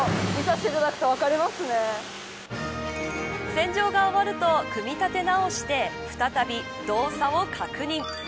洗浄が終わると組み立て直して再び動作を確認。